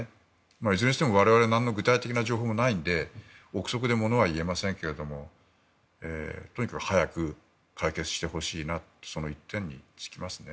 いずれにしても我々なんの具体的な情報がないので臆測で物は言えませんがとにかく早く解決してほしいなとその一点に尽きますね。